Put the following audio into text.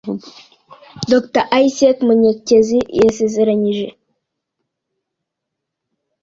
Dr. Iseec Munyekezi yesezerenyije